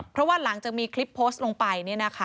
เพราะว่าหลังจากมีคลิปโพสต์ลงไป